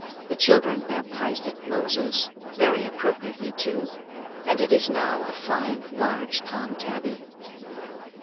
The children baptized it Moses, very appropriately too; and it is now a fine, large Tom tabby.